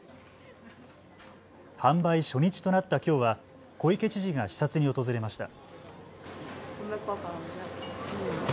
販売初日となったきょうは小池知事が視察に訪れました。